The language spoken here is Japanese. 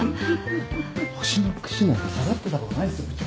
星の串なんて刺さってたことないっすよ部長。